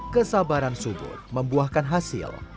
kesabaran subur membuahkan hasil